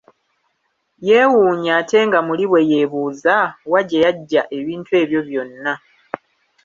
Yeewuunya ate nga muli bwe yeebuuza, wa gye yajja ebintu ebyo byonna.